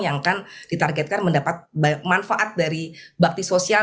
yang akan ditargetkan mendapat manfaat dari bakti sosial